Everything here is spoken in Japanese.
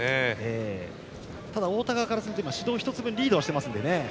太田からすると指導１つ分リードしています。